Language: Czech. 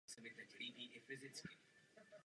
V sakristii je umístěn náhrobek.